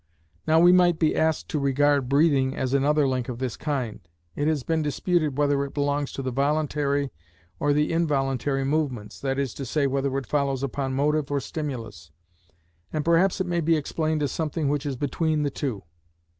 Now we might be asked to regard breathing as another link of this kind. It has been disputed whether it belongs to the voluntary or the involuntary movements, that is to say, whether it follows upon motive or stimulus, and perhaps it may be explained as something which is between the two.